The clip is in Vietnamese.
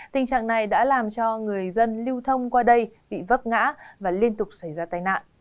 tình trạng này đã làm cho người dân lưu thông qua đây bị vấp ngã và liên tục xảy ra tai nạn